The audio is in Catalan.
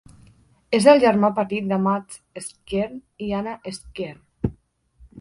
És el germà petit de Mads Skjern i Anna Skjern.